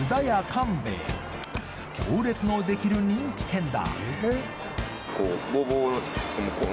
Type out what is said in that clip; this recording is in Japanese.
官兵衛行列のできる人気店だ